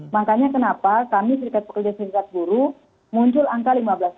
makanya kenapa kami sirikat pekerja sirikat buru muncul angka lima belas